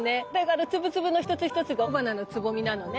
あの粒々の一つ一つが雄花のつぼみなのね。